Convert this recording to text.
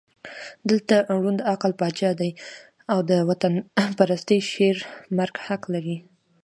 دلته ړوند عقل پاچا دی او د وطنپرستۍ شعر مرګ حق لري.